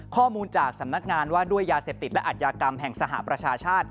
ข้อมูลจากสำนักงานว่าด้วยยาเสพติดและอัธยากรรมแห่งสหประชาชาติ